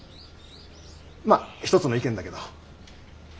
まあ一つの意見だけど。